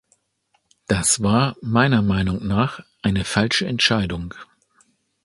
Das war meiner Meinung nach eine falsche Entscheidung.